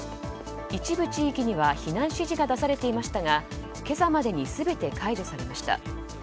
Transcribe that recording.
一部地域には避難指示が出されていましたが今朝までに全て解除されました。